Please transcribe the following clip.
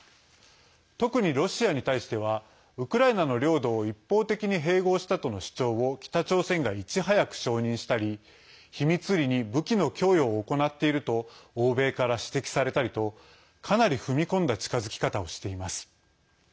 特にロシアに対してはウクライナの領土を一方的に併合したとの主張を北朝鮮がいち早く承認したり秘密裏に武器の供与を行っていると欧米から指摘されたりとかなり踏み込んだ近づき方をしています。